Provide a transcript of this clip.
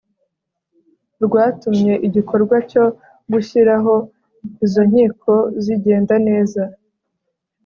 rwatumye igikorwa cyo gushyiraho izo nkiko zigenda neza